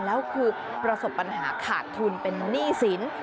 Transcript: แล้วคือประสบปัญหาขาดทุนเป็นหนี้สิน